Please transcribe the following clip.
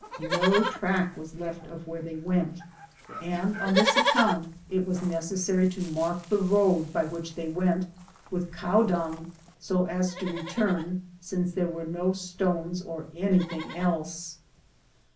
No track was left of where they went, and on this account it was necessary to mark the road by which they went with cow dung, so as to return, 1M am Google THE JOURNEY OP COBONADO since there were no stones or anything else.